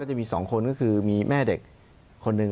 ก็จะมีสองคนก็คือมีแม่เด็กคนนึง